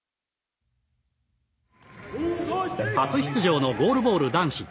初出場のゴールボール男子。